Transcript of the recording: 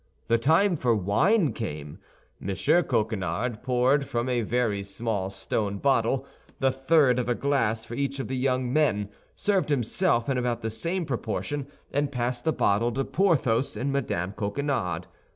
The time for wine came. M. Coquenard poured from a very small stone bottle the third of a glass for each of the young men, served himself in about the same proportion, and passed the bottle to Porthos and Mme. Coquenard.